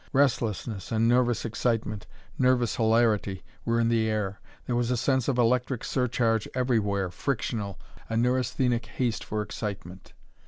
Restlessness and nervous excitement, nervous hilarity were in the air. There was a sense of electric surcharge everywhere, frictional, a neurasthenic haste for excitement.